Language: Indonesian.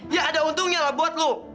ya ada untungnya lah buat lo